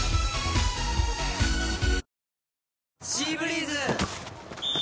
「シーブリーズ」！